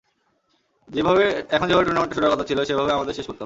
এখন যেভাবে টুর্নামেন্টটা শুরু করার কথা ছিল, সেভাবে আমাদের শেষ করতে হবে।